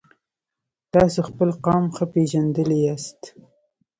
تاسو خپل قام ښه پیژندلی یاست.